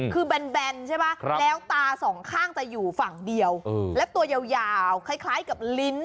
คือแบนใช่ไหมแล้วตาสองข้างจะอยู่ฝั่งเดียวและตัวยาวคล้ายกับลิ้น